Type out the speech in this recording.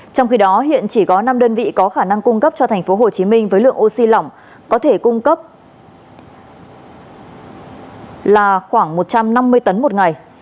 trong khi đó hiện chỉ có năm đơn vị có khả năng cung cấp cho tp hcm với lượng oxy lỏng có thể cung cấp là khoảng một trăm năm mươi tấn một ngày